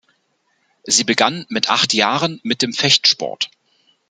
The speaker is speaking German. Sie begann mit acht Jahren mit dem Fechtsport.